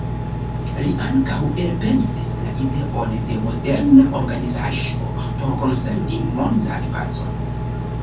Li ankaŭ elpensis la ideon de moderna organizaĵo por konservi mondan pacon.